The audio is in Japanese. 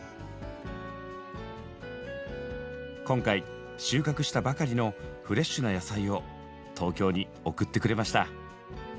今回収穫したばかりのフレッシュな野菜を東京に送ってくれました。